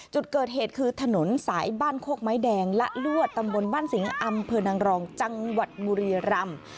จุดเกิดเหตุคือถนนสายบ้านโคกไม้แดงละลวดตำบลบ้านสิงห์อำเภอนางรองจังหวัดบุรีรำ